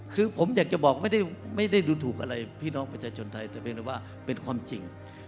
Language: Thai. คือผมอยากจะบอกไม่ได้ดูถูกอะไรพี่น้องประชาชนไทยแต่เพียงแต่ว่าเป็นความจริง